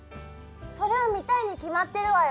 それは見たいに決まってるわよ！